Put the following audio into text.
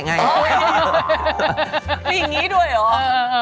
อย่างนี้ด้วยเหรอ